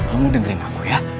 kamu dengerin aku ya